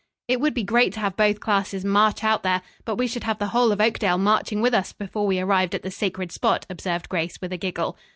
"It would be great to have both classes march out there, but we should have the whole of Oakdale marching with us before we arrived at the sacred spot," observed Grace, with a giggle.